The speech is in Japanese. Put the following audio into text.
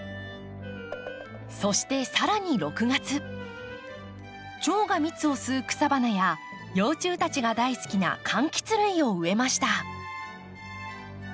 そして更に６月チョウが蜜を吸う草花や幼虫たちが大好きなかんきつ類を植えました。